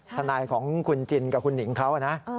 ทนายของคุณจินกับคุณหนิงเขานะ